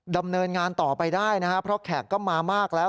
ดำเนินงานต่อไปได้นะครับเพราะแขกก็มามากแล้ว